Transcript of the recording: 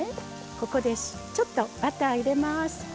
ここでちょっとバター入れます。